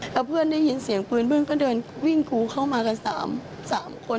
แล้วเพื่อนได้ยินเสียงปืนเพื่อนก็เดินวิ่งกรูเข้ามากัน๓คน